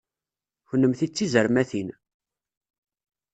Kennemti d tizermatin!